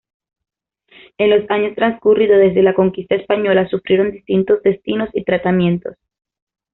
En los años transcurridos desde la conquista española, sufrieron distintos destinos y tratamientos.